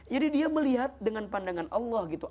jadi dia melihat dengan pandangan allah gitu